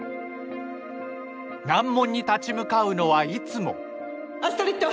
難問に立ち向かうのはいつもアストリッド。